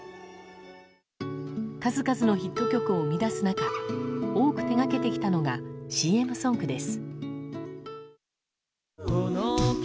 数々のヒット曲を生み出す中多く手掛けてきたのがＣＭソングです。